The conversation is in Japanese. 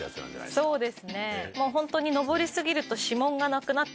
そうです。